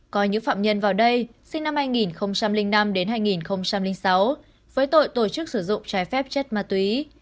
có những phạm nhân vào đây sinh năm hai nghìn năm hai nghìn sáu với tội tổ chức sử dụng trái phép chất ma túy